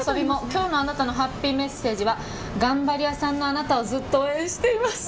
今日のあなたへのハッピーメッセージは頑張り屋さんのあなたをずっと応援しています。